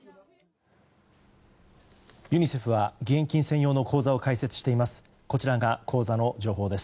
ユニセフは義援金専用の口座を開設しています。